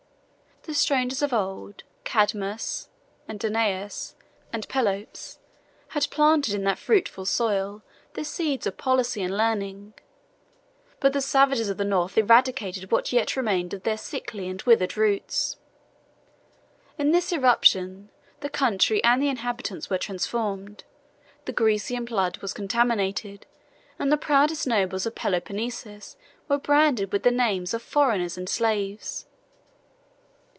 The strangers of old, Cadmus, and Danaus, and Pelops, had planted in that fruitful soil the seeds of policy and learning; but the savages of the north eradicated what yet remained of their sickly and withered roots. In this irruption, the country and the inhabitants were transformed; the Grecian blood was contaminated; and the proudest nobles of Peloponnesus were branded with the names of foreigners and slaves.